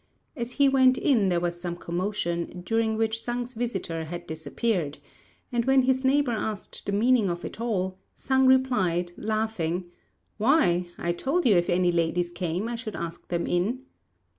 As he went in, there was some commotion, during which Sang's visitor had disappeared, and when his neighbour asked the meaning of it all, Sang replied, laughing, "Why, I told you if any ladies came I should ask them in."